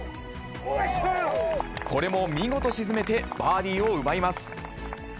これも見事沈めて、バーディーを奪います。